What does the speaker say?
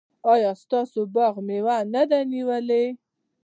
ایا ستاسو باغ مېوه نه ده نیولې؟